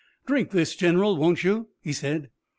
"Drink this, General, won't you?" he said.